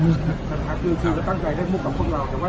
คือก็ตั้งใจเล่นมุกกับพวกเราแต่ว่า